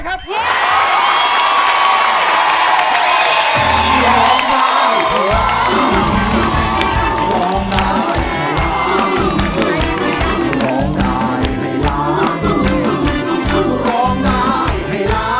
ได้ครับ